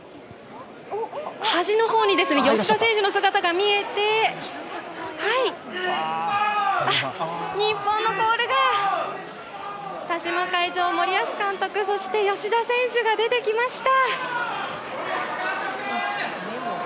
端の方に吉田選手の姿が見えて日本のコールが田嶋会長、森保監督そして吉田選手が出てきました。